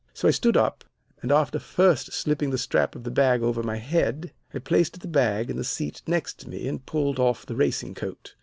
So I stood up, and, after first slipping the strap of the bag over my head, I placed the bag in the seat next me and pulled off the racing coat.